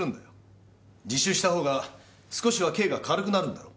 自首したほうが少しは刑が軽くなるんだろ？